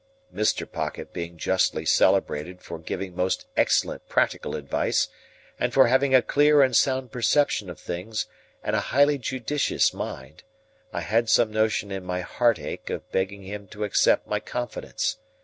Mr. Pocket being justly celebrated for giving most excellent practical advice, and for having a clear and sound perception of things and a highly judicious mind, I had some notion in my heart ache of begging him to accept my confidence.